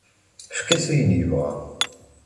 Efk-as ayen yebɣa.